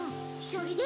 それで？